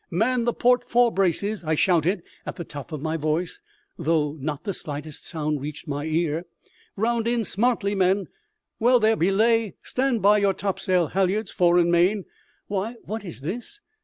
"Man the port fore braces!" I shouted at the top of my voice though not the slightest sound reached my ear "round in smartly, men; well there; belay! Stand by your topsail halliards, fore and main! Why, what is this?"